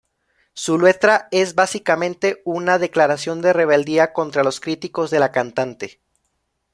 Su letra es básicamente una declaración de rebeldía contra los críticos de la cantante.